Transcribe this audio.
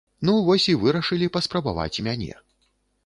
Ну вось і вырашылі паспрабаваць мяне.